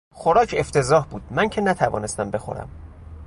خوراک افتضاح بود; من که نتوانستم بخورم.